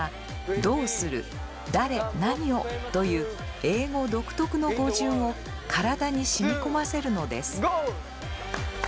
「どうする」「誰何を」という英語独特の語順を体に染み込ませるのです。